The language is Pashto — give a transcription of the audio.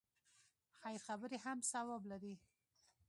خیر خبرې هم ثواب لري.